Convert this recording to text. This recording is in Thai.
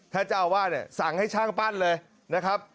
ท่าเจ้าว่าสั่งให้ช่างปั้นเลยนะครับ